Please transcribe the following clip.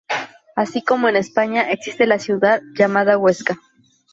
Así Como en España existe la ciudad llamada Huesca.